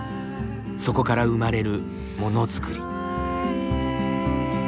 そこから生まれるものづくり。